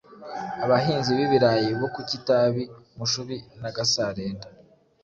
abahinzi b’ibirayi bo ku Kitabi, Mushubi na Gasarenda